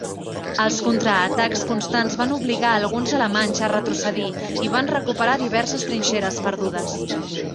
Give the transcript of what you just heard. Els contraatacs constants van obligar a alguns alemanys a retrocedir i van recuperar diverses trinxeres perdudes.